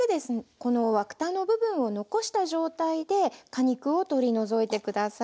このワタの部分を残した状態で果肉を取り除いて下さい。